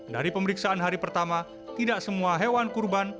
dari pemeriksaan hari pertama tidak semua hewan kurban